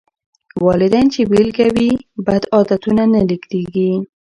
والدين چې بېلګه وي، بد عادتونه نه لېږدېږي.